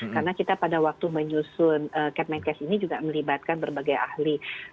karena kita pada waktu menyusun kemenkes ini juga melibatkan berbagai ahli